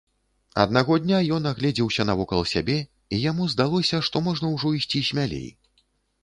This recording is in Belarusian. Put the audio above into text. Аднаго дня ён агледзеўся навокал сябе, і яму здалося, што можна ўжо ісці смялей.